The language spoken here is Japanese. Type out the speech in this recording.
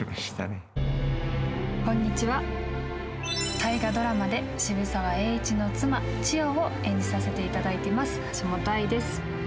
大河ドラマで渋沢栄一の妻・千代を演じさせていただいています橋本愛です。